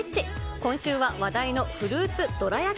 今週は話題のフルーツどら焼き